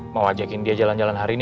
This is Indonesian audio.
mau ajakin dia jalan jalan hari ini